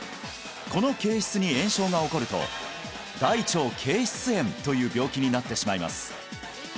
この憩室に炎症が起こると大腸憩室炎という病気になってしまいます